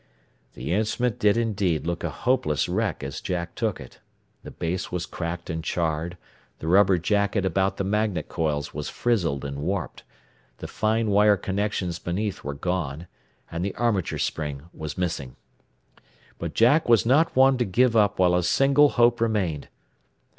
The instrument did indeed look a hopeless wreck as Jack took it. The base was cracked and charred, the rubber jacket about the magnet coils was frizzled and warped, the fine wire connections beneath were gone, and the armature spring was missing. But Jack was not one to give up while a single hope remained.